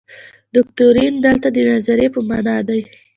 دوکتورین دلته د نظریې په معنا دی.